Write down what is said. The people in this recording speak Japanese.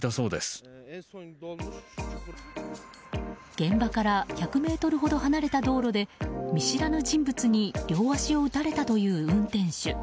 現場から１００ｍほど離れた道路で見知らぬ人物に両足を撃たれたという運転手。